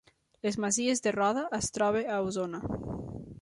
Les Masies de Roda es troba a Osona